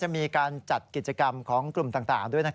มีการจัดกิจกรรมของกลุ่มต่างด้วย